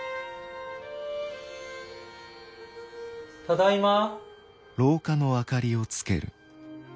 ただいま。